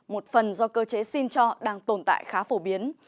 một phần do cơ chế xin cho đang tồn tại khá phổ biến